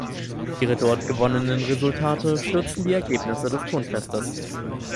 Ihre dort gewonnenen Resultate stützen die Ergebnisse des Turnfestes.